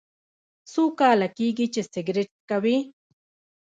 څو کاله کیږي چې سګرټ څکوئ؟